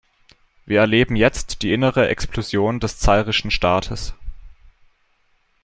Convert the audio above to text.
Wir erleben jetzt die innere Explosion des zairischen Staates.